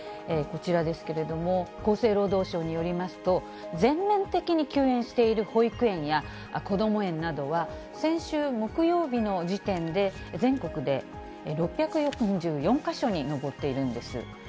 こちらですけれども、厚生労働省によりますと、全面的に休園している保育園やこども園などは、先週木曜日の時点で全国で６４４か所に上っているんです。